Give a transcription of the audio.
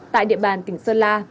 tại địa bàn tỉnh sơn la